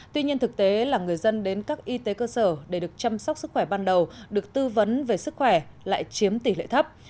tuy nhiên thực tế là người dân đến các y tế cơ sở để được chăm sóc sức khỏe ban đầu được tư vấn về sức khỏe lại chiếm tỷ lệ thấp